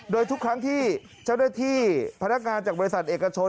โดยทุกครั้งที่เจ้าหน้าที่พนักงานจากบริษัทเอกชน